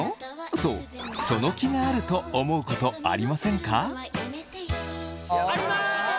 そう「その気がある？」と思うことありませんか？